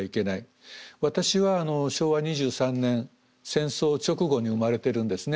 私は昭和２３年戦争直後に生まれてるんですね。